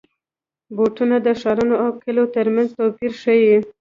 بوټونه د ښارونو او کلیو ترمنځ توپیر ښيي.